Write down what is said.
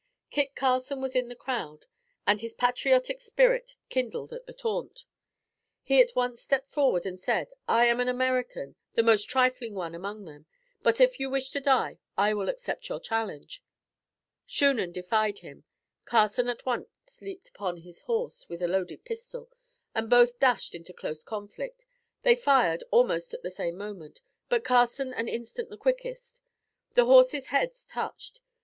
Kit Carson was in the crowd, and his patriotic spirit kindled at the taunt. He at once stepped forward and said, 'I am an American, the most trifling one among them, but if you wish to die, I will accept your challenge.' Shunan defied him. Carson at once leaped upon his horse, with a loaded pistol, and both dashed into close conflict. They fired, almost at the same moment, but Carson an instant the quickest. Their horses' heads touched.